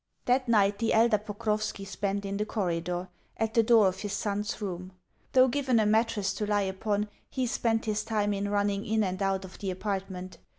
That night the elder Pokrovski spent in the corridor, at the door of his son's room. Though given a mattress to lie upon, he spent his time in running in and out of the apartment.